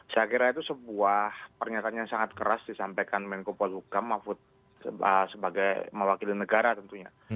saya kira itu sebuah pernyataan yang sangat keras disampaikan menko polhukam mahfud sebagai mewakili negara tentunya